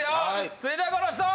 続いてはこの人！